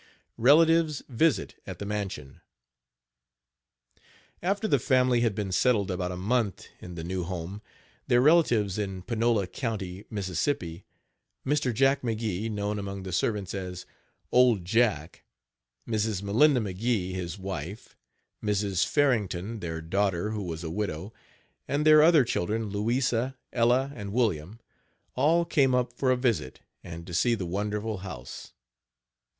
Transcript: RELATIVES VISIT AT THE MANSION. After the family had been settled about a month in the new home, their relatives in Panola Co., Miss., Mr. Jack McGee, known among the servants as "Old Page 69 Jack," Mrs. Melinda McGee, his wife, Mrs. Farrington, their daughter who was a widow, and their other children Louisa, Ella and William, all came up for a visit, and to see the wonderful house.